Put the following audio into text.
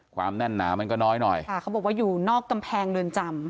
แน่นหนามันก็น้อยหน่อยค่ะเขาบอกว่าอยู่นอกกำแพงเรือนจำ